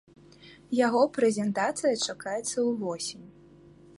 Яго прэзентацыя чакаецца ўвосень.